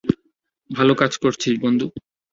ভালো কাজ করেছিস, বন্ধু।